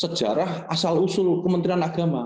sejarah asal usul kementerian agama